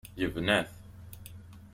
Yebna-t.